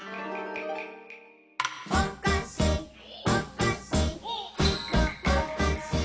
「おかしおかしいとをかし」